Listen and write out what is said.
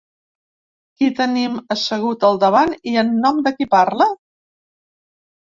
Qui tenim assegut al davant i en nom de qui parla?